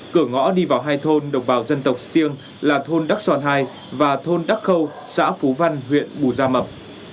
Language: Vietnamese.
cửa ngõ đi vào hai thôn đồng bào dân tộc stiêng là thôn đắc sòn hai và thôn đắc khâu xã phú văn huyện bù gia mập